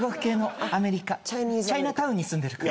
チャイナタウンに住んでるから。